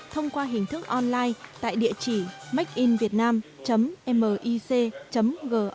thông qua hình thức online tại địa chỉ makeinvietnam mic gov